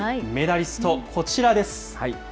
メダリスト、こちらです。